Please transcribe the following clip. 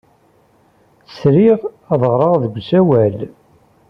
Sriɣ ad ɣreɣ deg usawal.